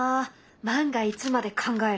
万が一まで考える。